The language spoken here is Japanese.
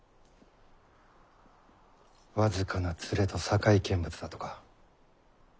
僅かな連れと堺見物だとか。